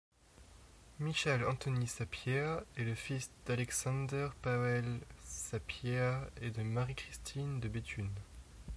Michał Antoni Sapieha est le fils d'Aleksander Paweł Sapieha et de Marie-Christine de Béthune.